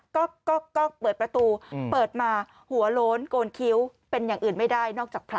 ก็เปิดประตูเปิดมาหัวโล้นโกนคิ้วเป็นอย่างอื่นไม่ได้นอกจากพระ